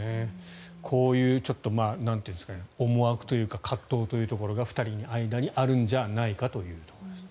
こういう思惑というか葛藤というところが２人の間にあるんじゃないかということです。